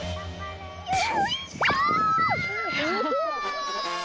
よいしょ！